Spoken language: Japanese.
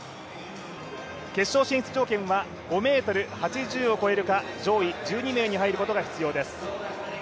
決勝進出条件は５ｍ８０を超えるか、上位１２名に入ることが必要です。